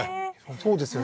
そうですよね